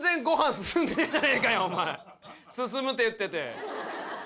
進むって言ってて。